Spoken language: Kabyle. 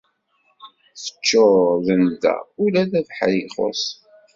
Teččur d nnda, ula d abeḥri ixuṣṣ.